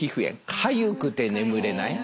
かゆくて眠れない。